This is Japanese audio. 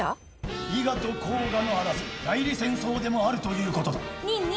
伊賀と甲賀の争い代理戦争でもあるということだ。